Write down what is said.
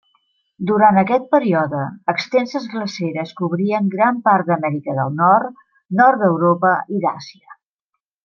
Durant aquest període, extenses glaceres cobrien gran part d'Amèrica del Nord, nord d'Europa i d'Àsia.